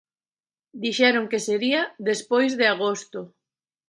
Dixeron que sería despois de agosto.